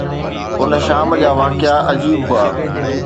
ان شام جا واقعا عجيب هئا.